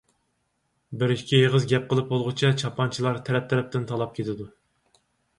بىر-ئىككى ئېغىز گەپ قىلىپ بولغۇچە چاپانچىلار تەرەپ-تەرەپتىن تالاپ كېتىدۇ.